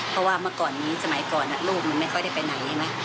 เพราะว่าเมื่อก่อนนี้สมัยก่อนลูกมันไม่ค่อยได้ไปไหนไหม